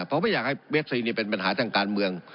เพราะไม่อยากให้เวฟซีนี่เป็นปัญหาทางการเมือง